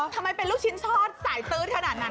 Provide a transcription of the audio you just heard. ทำไมเป็นลูกชิ้นทอดสายตื๊ดขนาดนั้น